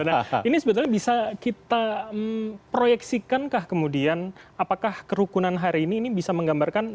nah ini sebetulnya bisa kita proyeksikan kah kemudian apakah kerukunan hari ini bisa menggambarkan